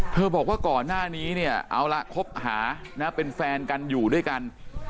บอกว่าก่อนหน้านี้เนี่ยเอาละคบหานะเป็นแฟนกันอยู่ด้วยกัน